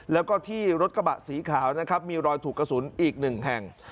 แล้วก็ที่รถกะบะสีขาวมีรอยถูกกระสุนอีก๑แห่ง